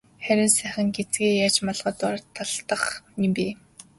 Харин сайхан гэзгээ яаж малгайн дор далдлах юм бэ?